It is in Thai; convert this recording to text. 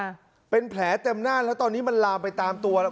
เป็นแผลเต็มหน้าแล้วตอนนี้มันลามไปตามตัวแล้ว